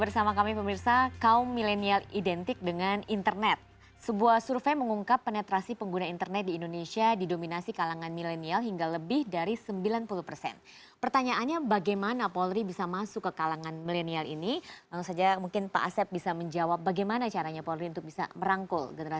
sampai jumpa di session with